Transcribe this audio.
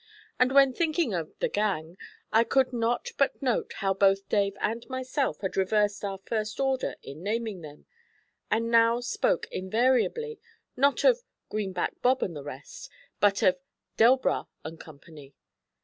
And when thinking of 'the gang,' I could not but note how both Dave and myself had reversed our first order in naming them, and now spoke, invariably, not of 'Greenback Bob and the rest,' but of 'Delbras and Company.'